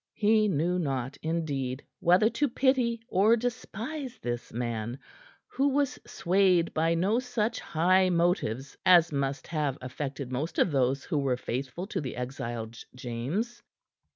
He knew not, indeed, whether to pity or despise this man who was swayed by no such high motives as must have affected most of those who were faithful to the exiled James.